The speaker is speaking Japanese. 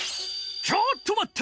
ちょっとまった！